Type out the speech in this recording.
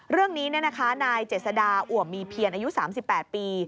เรื่องนี้เนี่ยนะคะนายเจศดาอุ่มมีเพียรอายุ๓๘ปี